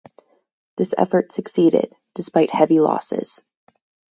This effort succeeded despite heavy losses.